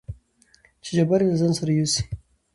چې جبار يې له ځانه سره يوسي.